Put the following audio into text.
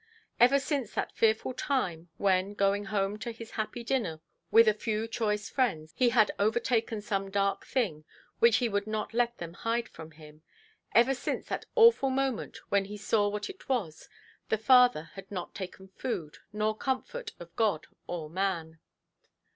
Ever since that fearful time, when, going home to his happy dinner with a few choice friends, he had overtaken some dark thing, which he would not let them hide from him—ever since that awful moment when he saw what it was, the father had not taken food, nor comfort of God or man.